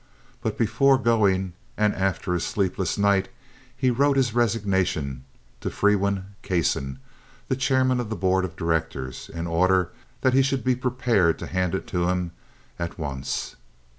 But before going, and after a sleepless night, he wrote his resignation to Frewen Kasson, the chairman of the board of directors, in order that he should be prepared to hand it to him, at once.